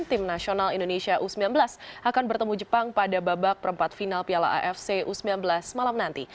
tim nasional indonesia u sembilan belas akan bertemu jepang pada babak perempat final piala afc u sembilan belas malam nanti